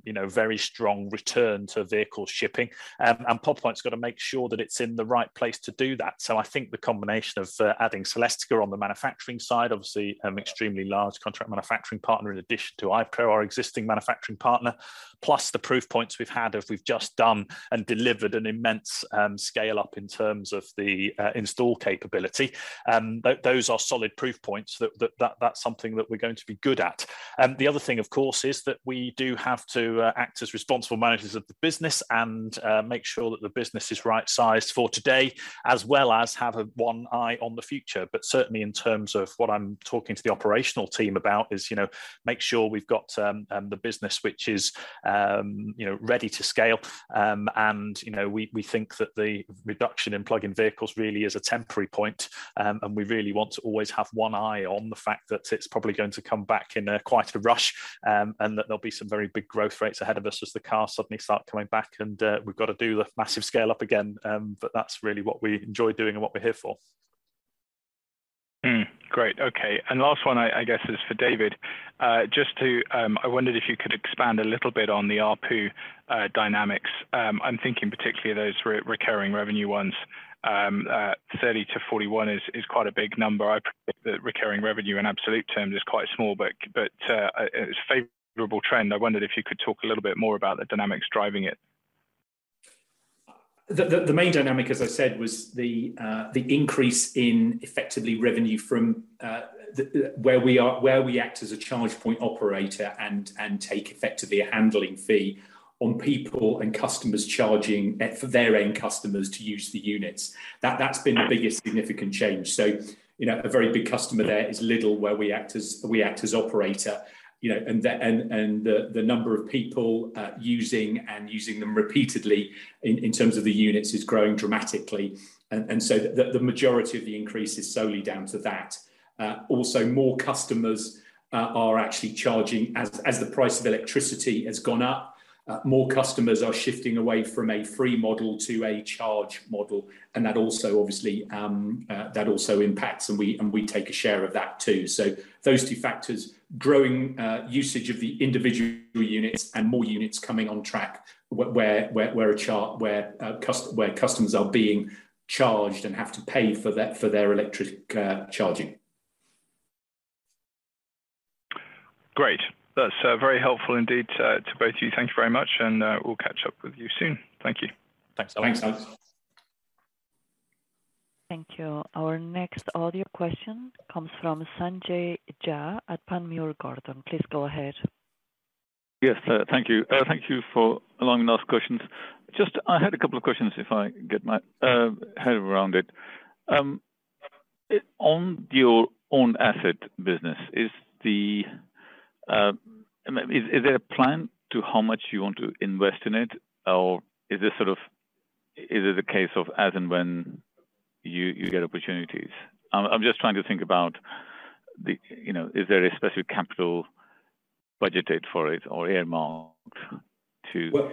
you know, very strong return to vehicle shipping. Pod Point's gotta make sure that it's in the right place to do that. I think the combination of adding Celestica on the manufacturing side, obviously, extremely large contract manufacturing partner in addition to IVECO, our existing manufacturing partner, plus the proof points we've had. We've just done and delivered an immense scale up in terms of the install capability. Those are solid proof points that that's something that we're going to be good at. The other thing of course is that we do have to act as responsible managers of the business and make sure that the business is right sized for today, as well as have one eye on the future. Certainly in terms of what I'm talking to the operational team about is, you know, make sure we've got the business which is, you know, ready to scale. You know, we think that the reduction in plug-in vehicles really is a temporary point. We really want to always have one eye on the fact that it's probably going to come back in quite a rush, and that there'll be some very big growth rates ahead of us as the cars suddenly start coming back and we've gotta do the massive scale up again. But that's really what we enjoy doing and what we're here for. Great. Okay. Last one I guess is for David. I wondered if you could expand a little bit on the ARPU dynamics. I'm thinking particularly those recurring revenue ones. 30-41 is quite a big number. I predict that recurring revenue in absolute terms is quite small, but it's a favorable trend. I wondered if you could talk a little bit more about the dynamics driving it. The main dynamic, as I said, was the increase, effectively, in revenue from where we act as a charge point operator and take, effectively, a handling fee on people and customers charging for their own customers to use the units. That's been the biggest significant change. You know, a very big customer there is Lidl, where we act as operator, you know. The number of people using them repeatedly in terms of the units is growing dramatically. The majority of the increase is solely down to that. Also more customers are actually charging. As the price of electricity has gone up, more customers are shifting away from a free model to a charge model, and that also obviously impacts, and we take a share of that too. Those two factors, growing usage of the individual units and more units coming on track where customers are being charged and have to pay for their electric charging. Great. That's very helpful indeed to both of you. Thank you very much, and we'll catch up with you soon. Thank you. Thanks a lot. Thanks Alex. Thank you. Our next audio question comes from Sanjay Jha at Panmure Gordon. Please go ahead. Yes, thank you. Thank you for allowing us questions. Just I had a couple of questions if I get my head around it. On your own asset business, is there a plan to how much you want to invest in it or is this sort of is it a case of as and when you get opportunities? I'm just trying to think about the, you know, is there a specific capital budgeted for it or earmarked to Well-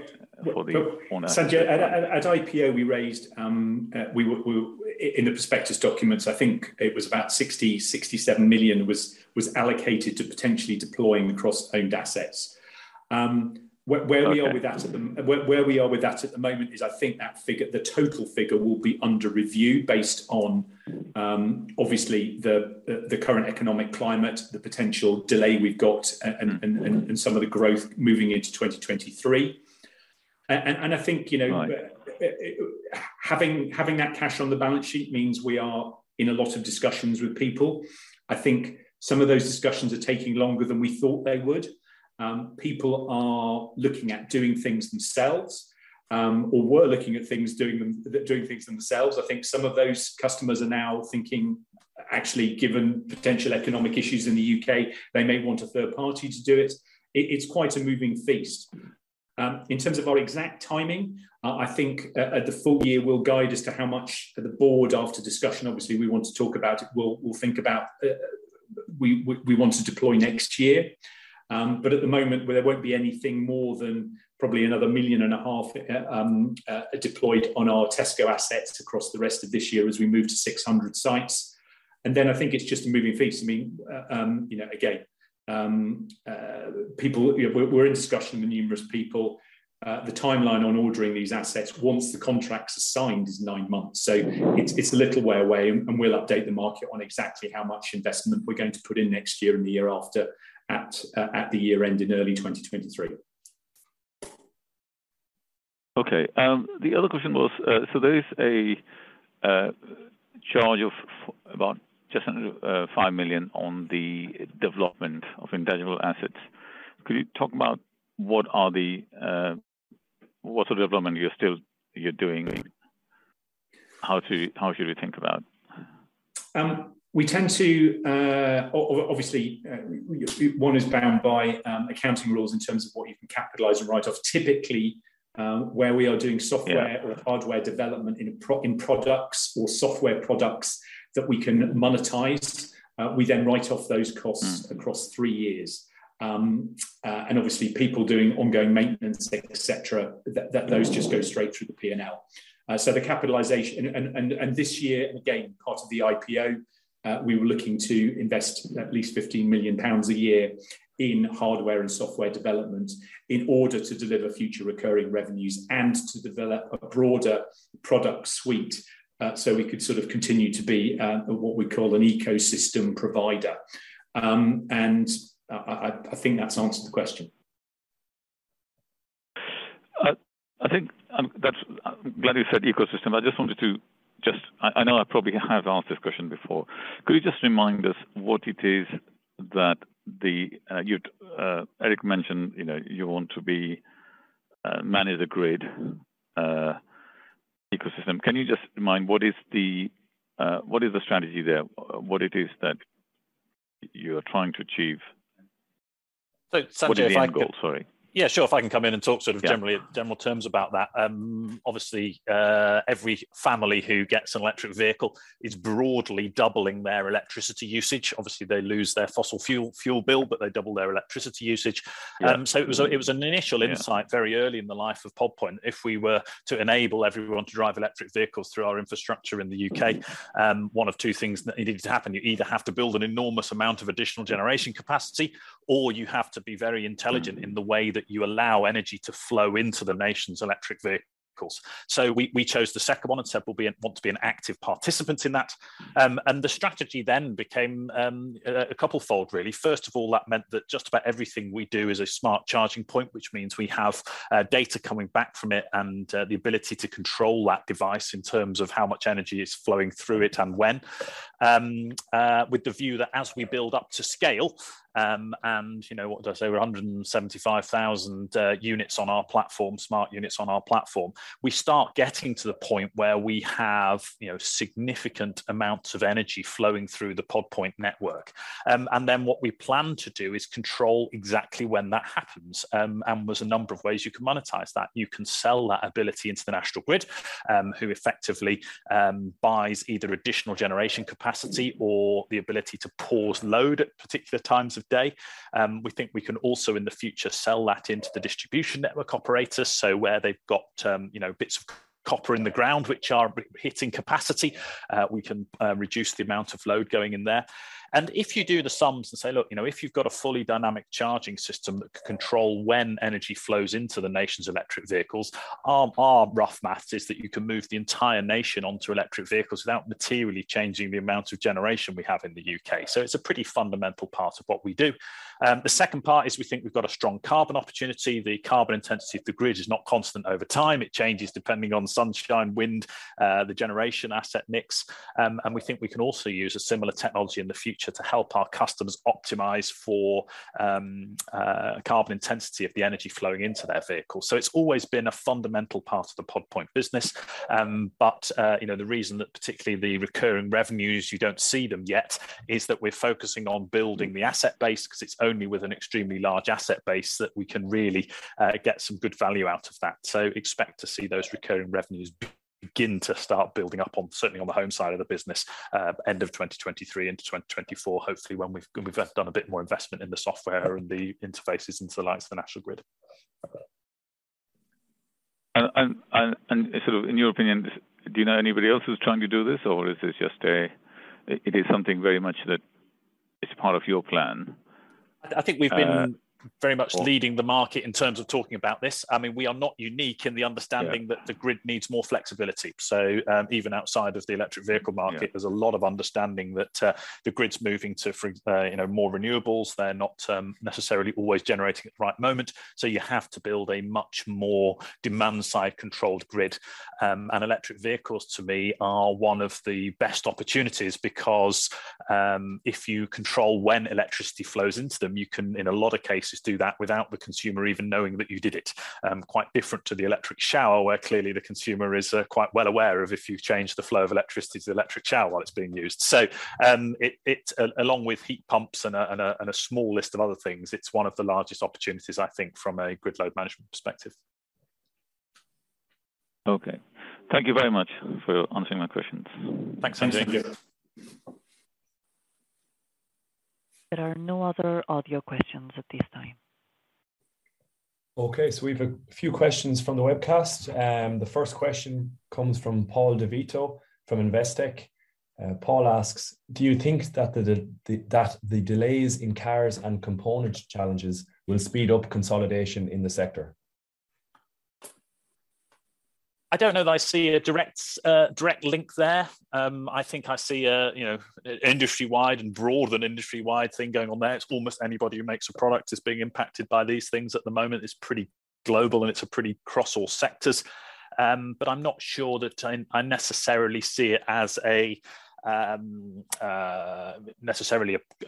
For the owner. Sanjay, at IPO, in the prospectus documents, I think it was about 67 million was allocated to potentially deploying across owned assets. Where we are with that at the Okay. Where we are with that at the moment is, I think, that figure, the total figure, will be under review based on, obviously, the current economic climate, the potential delay we've got and some of the growth moving into 2023. I think, you know. Right Having that cash on the balance sheet means we are in a lot of discussions with people. I think some of those discussions are taking longer than we thought they would. People are looking at doing things themselves or doing things themselves. I think some of those customers are now thinking actually, given potential economic issues in the U.K., they may want a third party to do it. It's quite a moving feast. In terms of our exact timing, I think at the full year, we'll guide as to how much the board, after discussion, obviously we want to talk about. We'll think about, we want to deploy next year. At the moment, there won't be anything more than probably another 1.5 million deployed on our Tesco assets across the rest of this year as we move to 600 sites. Then I think it's just a moving feast. I mean, you know, again, you know, we're in discussion with numerous people. The timeline on ordering these assets once the contracts are signed is nine months. It's a little way away, and we'll update the market on exactly how much investment we're going to put in next year and the year after at the year end in early 2023. Okay. The other question was, there is a charge of about just under 5 million on the development of intangible assets. Could you talk about what sort of development you're doing? How should we think about? We tend to, obviously, one is bound by accounting rules in terms of what you can capitalize and write off. Typically, where we are doing software. Yeah or hardware development in products or software products that we can monetize, we then write off those costs. Mm-hmm Across three years. Obviously people doing ongoing maintenance, et cetera, that those just go straight through the P&L. The capitalization. This year, again, part of the IPO, we were looking to invest at least 15 million pounds a year in hardware and software development in order to deliver future recurring revenues and to develop a broader product suite, so we could sort of continue to be what we call an ecosystem provider. I think that's answered the question. I think I'm glad you said ecosystem. I just wanted to. I know I probably have asked this question before. Could you just remind us what it is that you do? Erik mentioned, you know, you want to manage the grid ecosystem. Can you just remind what is the strategy there? What it is that you are trying to achieve? Sanjay, if I can- What is the end goal? Sorry. Yeah, sure. If I can come in and talk sort of. Yeah In general terms about that. Obviously, every family who gets an electric vehicle is broadly doubling their electricity usage. Obviously, they lose their fossil fuel bill, but they double their electricity usage. Yeah. It was an initial insight. Yeah Very early in the life of Pod Point. If we were to enable everyone to drive electric vehicles through our infrastructure in the U.K. Mm-hmm One of two things that needed to happen. You either have to build an enormous amount of additional generation capacity, or you have to be very intelligent in the way that you allow energy to flow into the nation's electric vehicles. Of course. We chose the second one and said we'll want to be an active participant in that. The strategy then became a couplefold really. First of all, that meant that just about everything we do is a smart charging point, which means we have data coming back from it and the ability to control that device in terms of how much energy is flowing through it and when, with the view that as we build up to scale, and you know, what did I say, we're 175,000 units on our platform, smart units on our platform, we start getting to the point where we have, you know, significant amounts of energy flowing through the Pod Point network. What we plan to do is control exactly when that happens, and there's a number of ways you can monetize that. You can sell that ability into the National Grid, who effectively buys either additional generation capacity or the ability to pause load at particular times of day. We think we can also in the future sell that into the distribution network operators, so where they've got, you know, bits of copper in the ground which are hitting capacity, we can reduce the amount of load going in there. If you do the sums and say, look, you know, if you've got a fully dynamic charging system that can control when energy flows into the nation's electric vehicles, our rough math is that you can move the entire nation onto electric vehicles without materially changing the amount of generation we have in the U.K. It's a pretty fundamental part of what we do. The second part is we think we've got a strong carbon opportunity. The carbon intensity of the grid is not constant over time. It changes depending on sunshine, wind, the generation asset mix, and we think we can also use a similar technology in the future to help our customers optimize for carbon intensity of the energy flowing into their vehicle. It's always been a fundamental part of the Pod Point business, but you know, the reason that particularly the recurring revenues you don't see them yet is that we're focusing on building the asset base, 'cause it's only with an extremely large asset base that we can really get some good value out of that. Expect to see those recurring revenues begin to start building up on, certainly on the home side of the business, end of 2023 into 2024, hopefully when we've done a bit more investment in the software and the interfaces into the likes of the National Grid. sort of in your opinion, do you know anybody else who's trying to do this, or is this something very much that is part of your plan? I think we've been very much leading the market in terms of talking about this. I mean, we are not unique in the understanding. Yeah that the grid needs more flexibility. Even outside of the electric vehicle market. Yeah... there's a lot of understanding that the grid's moving to more renewables, you know. They're not necessarily always generating at the right moment, so you have to build a much more demand-side controlled grid. Electric vehicles to me are one of the best opportunities because if you control when electricity flows into them, you can in a lot of cases do that without the consumer even knowing that you did it. Quite different to the electric shower, where clearly the consumer is quite well aware of if you've changed the flow of electricity to the electric shower while it's being used. It along with heat pumps and a small list of other things is one of the largest opportunities I think from a grid load management perspective. Okay. Thank you very much for answering my questions. Thanks. Thanks. Thank you. There are no other audio questions at this time. We've a few questions from the webcast. The first question comes from Paul de la Rue from Investec. Paul asks, "Do you think that the delays in cars and component challenges will speed up consolidation in the sector? I don't know that I see a direct link there. I think I see a you know industry-wide and broader than industry-wide thing going on there. It's almost anybody who makes a product is being impacted by these things at the moment. It's pretty global, and it's pretty across all sectors. I'm not sure that I necessarily see it as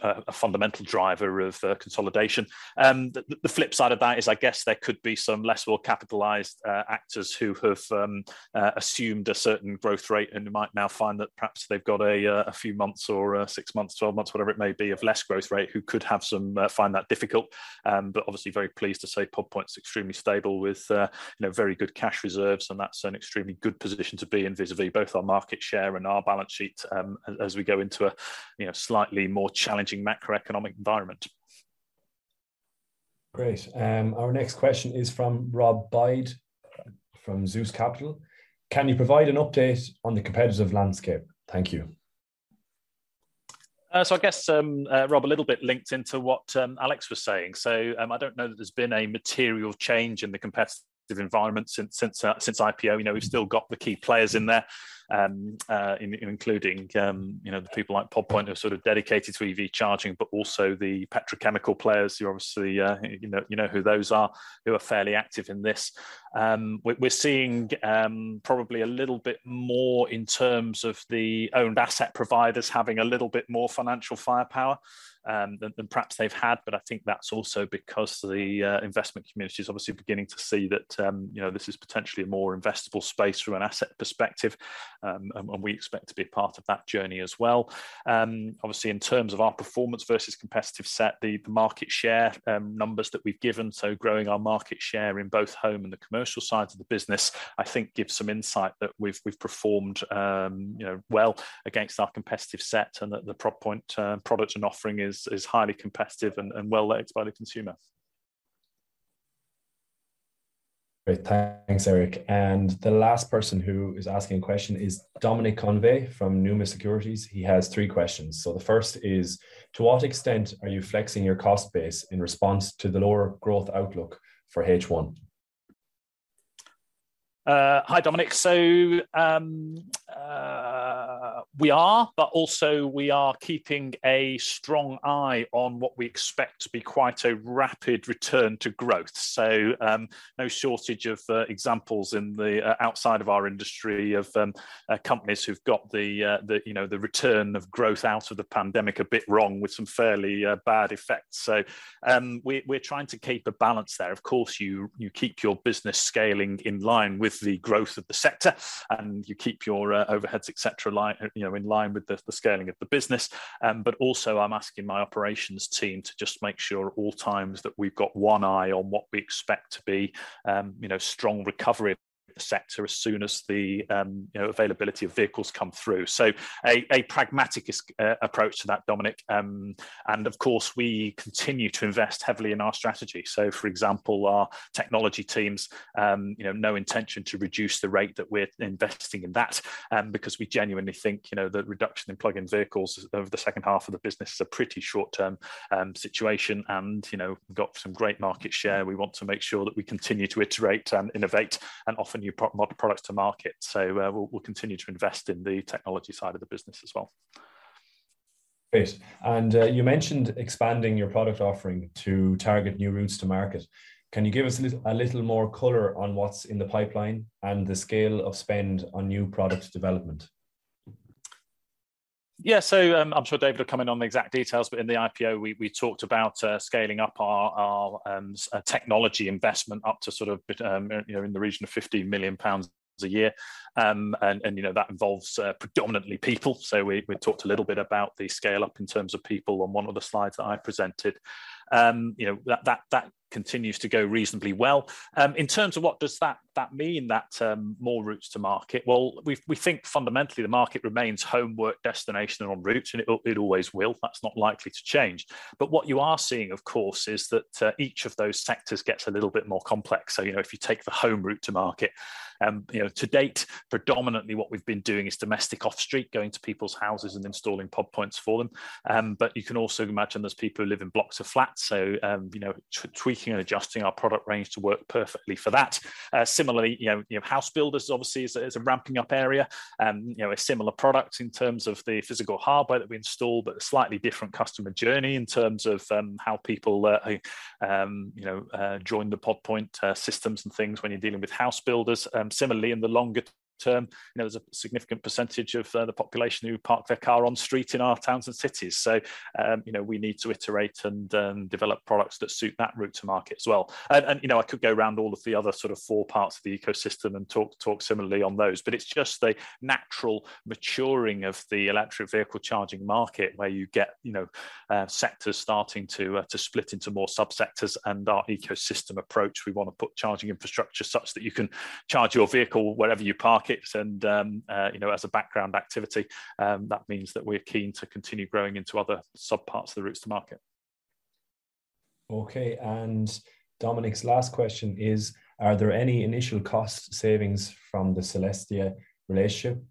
a fundamental driver of consolidation. The flip side of that is I guess there could be some less well capitalized actors who have assumed a certain growth rate and who might now find that perhaps they've got a few months or six months, 12 months, whatever it may be, of less growth rate, who could find that difficult. Obviously very pleased to say Pod Point's extremely stable with, you know, very good cash reserves, and that's an extremely good position to be in vis-a-vis both our market share and our balance sheet, as we go into a, you know, slightly more challenging macroeconomic environment. Great. Our next question is from Rob Byde from Zeus Capital. "Can you provide an update on the competitive landscape? Thank you. I guess, Rob, a little bit linked into what Alex was saying. I don't know that there's been a material change in the competitive environment since IPO. You know, we've still got the key players in there, including, you know, the people like Pod Point who are sort of dedicated to EV charging, but also the petrochemical players who are obviously, you know who those are, who are fairly active in this. We're seeing probably a little bit more in terms of the owned asset providers having a little bit more financial firepower than perhaps they've had, but I think that's also because the investment community's obviously beginning to see that you know this is potentially a more investable space from an asset perspective and we expect to be a part of that journey as well. Obviously in terms of our performance versus competitive set, the market share numbers that we've given, so growing our market share in both home and the commercial sides of the business, I think gives some insight that we've performed you know well against our competitive set and that the Pod Point product and offering is highly competitive and well liked by the consumer. Great. Thanks, Erik. The last person who is asking a question is Dominic Convey from Numis Securities. He has three questions. The first is, "To what extent are you flexing your cost base in response to the lower growth outlook for H1? Hi, Dominic. We are keeping a strong eye on what we expect to be quite a rapid return to growth. No shortage of examples outside of our industry of companies who've got, you know, the return of growth out of the pandemic a bit wrong with some fairly bad effects. We're trying to keep a balance there. Of course, you keep your business scaling in line with the growth of the sector, and you keep your overheads, et cetera, you know, in line with the scaling of the business. I'm asking my operations team to just make sure at all times that we've got one eye on what we expect to be, you know, strong recovery of the sector as soon as the, you know, availability of vehicles come through. A pragmatic approach to that, Dominic Convey. Of course, we continue to invest heavily in our strategy. For example, our technology teams, you know, no intention to reduce the rate that we're investing in that, because we genuinely think, you know, the reduction in plug-in vehicles over the second half of the business is a pretty short-term situation, and, you know, got some great market share. We want to make sure that we continue to iterate and innovate and offer new products to market. We'll continue to invest in the technology side of the business as well. Great. You mentioned expanding your product offering to target new routes to market. Can you give us a little more color on what's in the pipeline and the scale of spend on new product development? I'm sure David will comment on the exact details, but in the IPO we talked about scaling up our technology investment up to sort of bit, you know, in the region of 50 million pounds a year. You know, that involves predominantly people. We talked a little bit about the scale-up in terms of people on one of the slides that I presented. You know, that continues to go reasonably well. In terms of what does that mean that, more routes to market, well, we think fundamentally the market remains home, work, destination and on routes, and it always will. That's not likely to change. What you are seeing, of course, is that each of those sectors gets a little bit more complex. You know, if you take the home route to market, you know, to date, predominantly what we've been doing is domestic off street, going to people's houses and installing Pod Points for them. You can also imagine there's people who live in blocks of flats, you know, tweaking and adjusting our product range to work perfectly for that. Similarly, you know, house builders obviously is a ramping up area. You know, a similar product in terms of the physical hardware that we install, but a slightly different customer journey in terms of how people, you know, join the Pod Point systems and things when you're dealing with house builders. Similarly, in the longer term, you know, there's a significant percentage of the population who park their car on street in our towns and cities. You know, we need to iterate and develop products that suit that route to market as well. You know, I could go around all of the other sort of four parts of the ecosystem and talk similarly on those, but it's just the natural maturing of the electric vehicle charging market where you get, you know, sectors starting to split into more sub-sectors. Our ecosystem approach, we wanna put charging infrastructure such that you can charge your vehicle wherever you park it, and, you know, as a background activity, that means that we're keen to continue growing into other sub parts of the routes to market. Okay. Dominic's last question is, "Are there any initial cost savings from the Celestica relationship,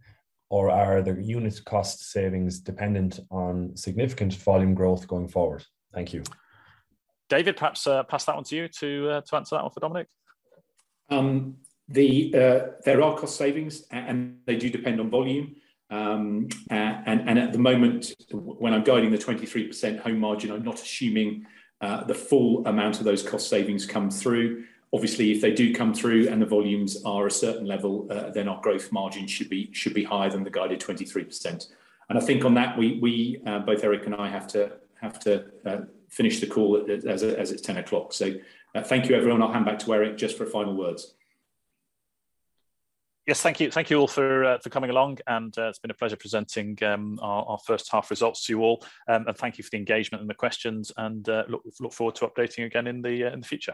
or are the unit cost savings dependent on significant volume growth going forward? Thank you. David, perhaps, pass that one to you to answer that one for Dominic. There are cost savings, and they do depend on volume. At the moment, when I'm guiding the 23% gross margin, I'm not assuming the full amount of those cost savings come through. Obviously, if they do come through and the volumes are a certain level, then our gross margin should be higher than the guided 23%. I think on that we both Erik and I have to finish the call as it's 10 o'clock. Thank you, everyone. I'll hand back to Erik just for final words. Yes. Thank you. Thank you all for coming along, and it's been a pleasure presenting our first half results to you all. Thank you for the engagement and the questions and look forward to updating again in the future.